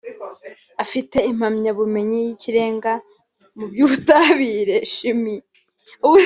afite impamyabumenyi y’ikirenga mu by’Ubutabire (Chimie)